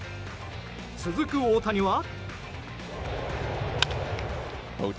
続く大谷は。